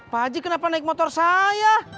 pak haji kenapa naik motor saya